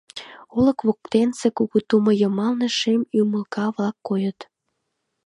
Олык воктенысе кугу тумо йымалне шем ӱмылка-влак койыт.